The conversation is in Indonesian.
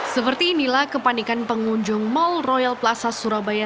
seperti inilah kepanikan pengunjung mall royal plaza surabaya